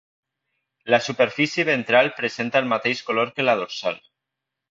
La superfície ventral presenta el mateix color que la dorsal.